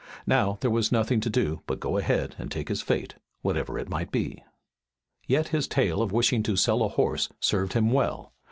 Now, there was nothing to do but go ahead and take his fate, whatever it might be. Yet his tale of wishing to sell a horse served him well.